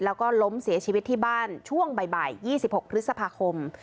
แล้วก็ล้มเสียชีวิตที่บ้านช่วงบ่าย๒๖พฤษภาคม